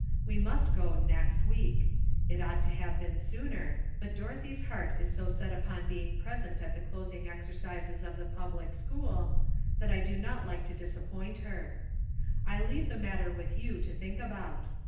We must go next week ; it ought to have been sooner, but Dorothy's heart is so set upon being present at the closing exercises of the public school, that I do not like to disappoint her. I leave the matter with you to think about.